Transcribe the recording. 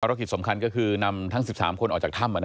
รกิจสำคัญก็คือนำทั้ง๑๓คนออกจากถ้ำ